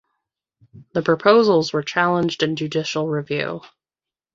The proposals were challenged in judicial review.